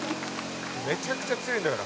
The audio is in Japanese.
「めちゃくちゃ強いんだから」